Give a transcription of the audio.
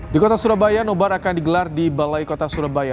di kota surabaya nobar akan digelar di balai kota surabaya